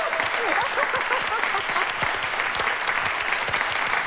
アハハハハ！